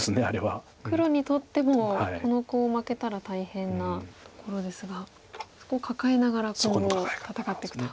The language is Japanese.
黒にとってもこのコウ負けたら大変なところですがそこを抱えながら今後戦っていくと。